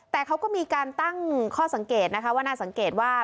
แต่เขาก็มีการตั้งข้อสังเกตนะคะว่าน่าสังเกตว่า